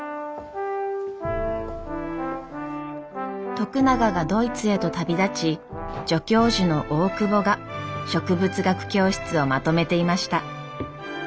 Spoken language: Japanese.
徳永がドイツへと旅立ち助教授の大窪が植物学教室をまとめていました。